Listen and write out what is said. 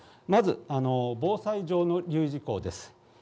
まず、防災上の留意事項です。